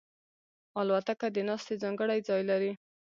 الوتکه د ناستې ځانګړی ځای لري.